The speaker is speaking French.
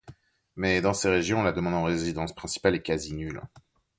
Mais dans ces régions, la demande en résidences principales est quasi nulle.